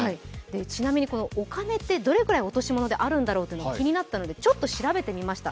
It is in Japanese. ちなみにお金ってどれぐらい落とし物であるんだろうと思って気になったのでちょっと調べてみました。